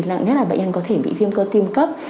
nặng nhất là bệnh nhân có thể bị viêm cơ tim cấp